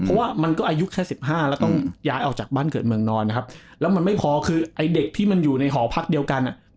เพราะว่ามันก็อายุแค่๑๕แล้วต้องย้ายออกจากบ้านเกิดเมืองนอนนะครับแล้วมันไม่พอคือไอ้เด็กที่มันอยู่ในหอพักเดียวกัน